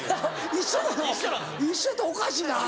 一緒やったらおかしいな。